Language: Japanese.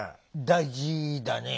大事だね。